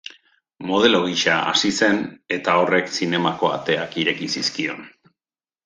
Modelo gisa hasi zen eta horrek zinemako ateak ireki zizkion.